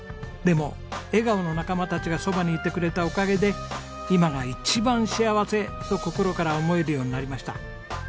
でも笑顔の仲間たちがそばにいてくれたおかげで「今が一番幸せ」と心から思えるようになりました。